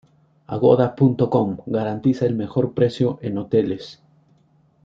Agoda.com garantiza el mejor precio en hoteles.